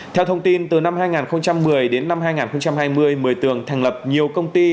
theo thông tin từ năm hai nghìn một mươi đến năm hai nghìn hai mươi mờ tường thành lập nhiều công ty